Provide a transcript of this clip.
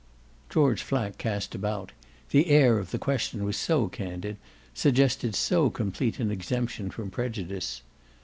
George Flack cast about the air of the question was so candid, suggested so complete an exemption From prejudice.